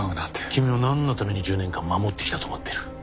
君をなんのために１０年間守ってきたと思ってる。